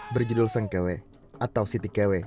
berjudul sengkewe atau sitikewe